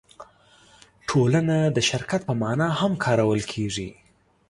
ټولنه د شرکت په مانا هم کارول کېږي.